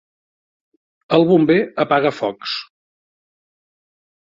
El bomber apaga focs.